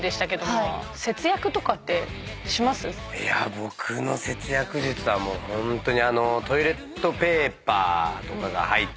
僕の節約術はホントに。